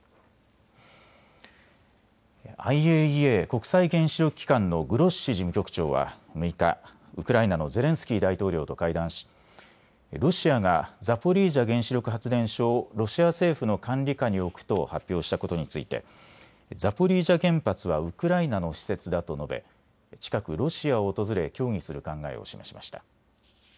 ＩＡＥＡ・国際原子力機関のグロッシ事務局長は６日、ウクライナのゼレンスキー大統領と会談しロシアがザポリージャ原子力発電所をロシア政府の管理下に置くと発表したことについてザポリージャ原発はウクライナの施設だと述べ近くロシアを訪れ協議する考えを示しました。